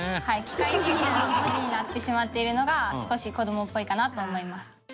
機械的な文字になってしまっているのが少し子どもっぽいかなと思います。